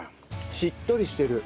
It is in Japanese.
しっとりしてる。